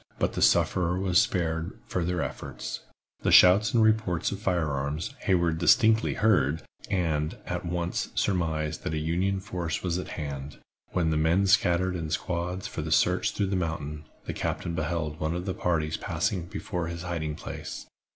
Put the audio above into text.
But the sufferer was spared further efforts. The shouts and reports of fire arms Hayward distinctly heard, and at once surmised that a Union force was at hand. When the men scattered in squads for the search through the mountain, the captain beheld one of the parties passing before his hiding place.